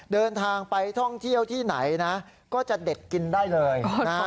เดินทางไปท่องเที่ยวที่ไหนนะก็จะเด็ดกินได้เลยนะฮะ